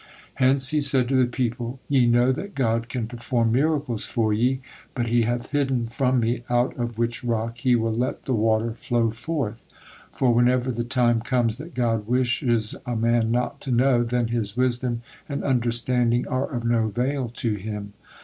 '" Hence he said to the people: "Ye know that God can perform miracles for ye, but He hath hidden from me out of which rock He will let the water flow forth. For whenever the time comes that God wished a man not to know, then his wisdom and understanding are of no avail to him."